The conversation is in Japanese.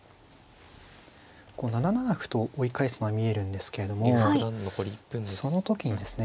こう７七歩と追い返すのは見えるんですけれどもその時にですね